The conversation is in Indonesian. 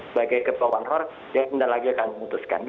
sebagai ketua panggung yang nanti lagi akan memutuskan